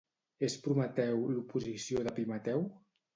És Prometeu l'oposició d'Epimeteu?